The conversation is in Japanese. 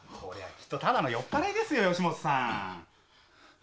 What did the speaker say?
きっとただの酔っぱらいですよヨシモトさん。